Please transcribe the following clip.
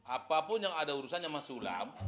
apapun yang ada urusannya sama sulam